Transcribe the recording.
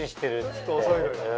ちょっと遅いのよ。